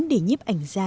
để nhếp ảnh ra